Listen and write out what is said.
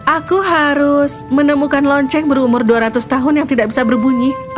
aku harus menemukan lonceng berumur dua ratus tahun yang tidak bisa berbunyi